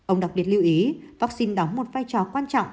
ông đặc biệt lưu ý vaccine đóng một vai trò quan trọng